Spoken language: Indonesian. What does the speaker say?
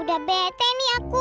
udah bete nih aku